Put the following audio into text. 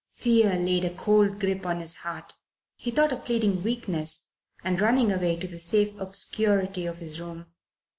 Fear laid a cold grip on his heart. He thought of pleading weakness and running away to the safe obscurity of his room.